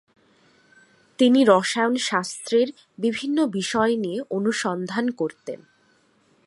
তিনি রসায়ন শাস্ত্রের বিভিন্ন বিষয় নিয়ে অনুসন্ধান করতেন।